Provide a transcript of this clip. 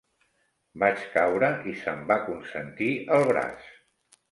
Vaig caure i se'm va consentir el braç.